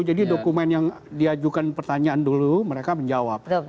jadi dokumen yang diajukan pertanyaan dulu mereka menjawab